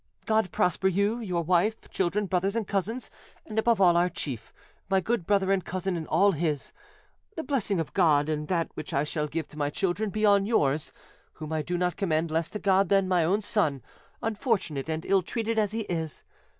God prosper you, your wife, children, brothers and cousins, and above all our chief, my good brother and cousin, and all his. The blessing of God and that which I shall give to my children be on yours, whom I do not commend less to God than my own son, unfortunate and ill treated as he is.